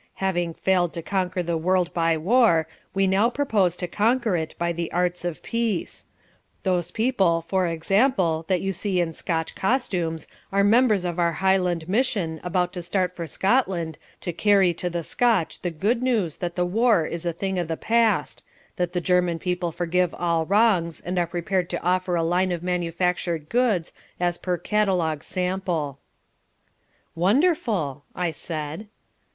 Having failed to conquer the world by war we now propose to conquer it by the arts of peace: Those people, for example, that you see in Scotch costumes are members of our Highland Mission about to start for Scotland to carry to the Scotch the good news that the war is a thing of the past, that the German people forgive all wrongs and are prepared to offer a line of manufactured goods as per catalogue sample." "Wonderful," I said.